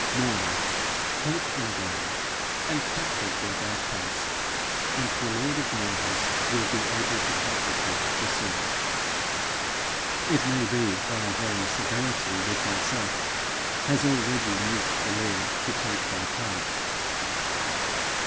Mourner, hope in God, and comfort where thou canst, and the lord of mourners will be able to comfort thee the sooner. It may be thy very severity with thyself, has already moved the Lord to take thy part.